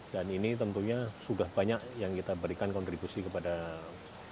dan ini tentunya sudah banyak yang kita berikan kontribusi kepada bki